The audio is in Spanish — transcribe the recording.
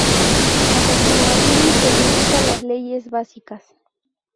A continuación se indican las leyes básicas.